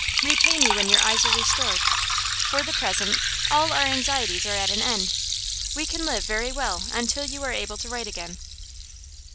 Repay me when your eyes are restored. For the present, all our anxieties are at an end. We can live very well until you are able to write again.